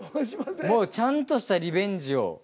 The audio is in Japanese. もうちゃんとしたリベンジを。